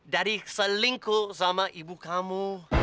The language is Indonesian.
dari selingkuh sama ibu kamu